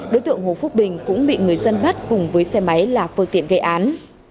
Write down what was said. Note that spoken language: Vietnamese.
đối tượng hồ phúc bình cũng bị người dân bắt cùng với xe máy là phương tiện gây án